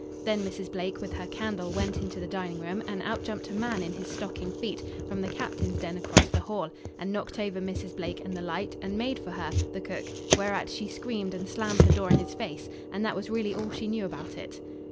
Then Mrs. Blake, with her candle, went into the dining room, and out jumped a man in his stocking feet from the captain's den across the hall, and knocked over Mrs. Blake and the light, and made for her, the cook; whereat she screamed and slammed her door in his face, and that was really all she knew about it.